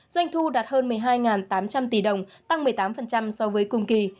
doanh thu đạt hơn một mươi hai tám trăm linh tỷ đồng tăng một mươi tám so với cùng kỳ